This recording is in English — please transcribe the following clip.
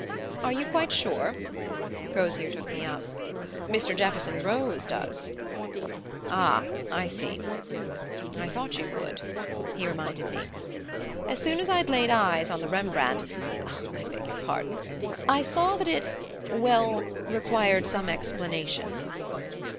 "Are you quite sure?" Crozier took me up. "Mr. Jefferson Rose does." "Ah I see." "I thought you would," he reminded me. "As soon as I'd laid eyes on the Rembrandt I beg your pardon! I saw that it well, required some explanation."